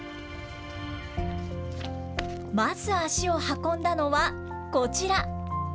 まず足を運んだのはこちら。